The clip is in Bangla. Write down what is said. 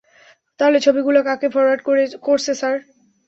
তাহলে ছবি গুলা কাকে ফরওয়ার্ড করছে, স্যার।